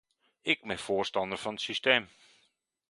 Ik ben voorstander van het systeem.